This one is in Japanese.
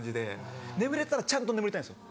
眠れたらちゃんと眠りたいんですよ。